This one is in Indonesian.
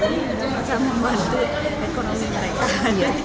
bisa membantu ekonomi mereka